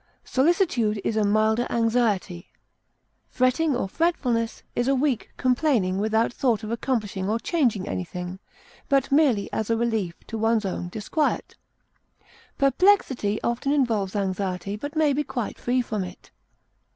Solicitude is a milder anxiety. Fretting or fretfulness is a weak complaining without thought of accomplishing or changing anything, but merely as a relief to one's own disquiet. Perplexity often involves anxiety, but may be quite free from it.